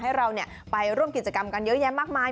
ให้เราไปร่วมกิจกรรมกันเยอะแยะมากมาย